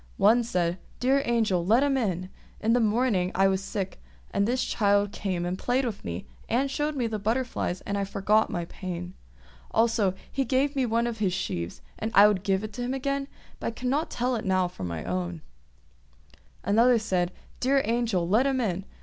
One said, "Dear Angel, let him in! In the morning I was sick, and this child came and played with me, and showed me the butterflies, and I forgot my pain. Also, he gave me one of his sheaves, and I would give it to him again, but I cannot tell it now from my own." [Illustration: THE WHEAT FIELD. [Page 22.] Another said, "Dear Angel, let him in!